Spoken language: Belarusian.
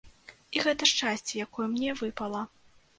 І гэта шчасце, якое мне выпала.